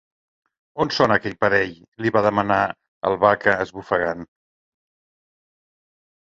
On són aquell parell? —li va demanar el Vaca, esbufegant.